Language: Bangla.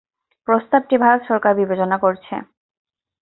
প্রস্তাবটি ভারত সরকার বিবেচনা করছে।